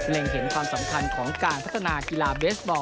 เห็นความสำคัญของการพัฒนากีฬาเบสบอล